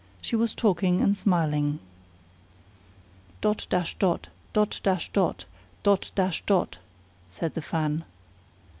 She was talking and smiling. "Dot dash dot! Dot dash dot! Dot dash dot!" said the fan.